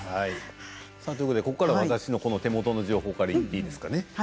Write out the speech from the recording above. ここからは私の手元の情報から言っていいですかね。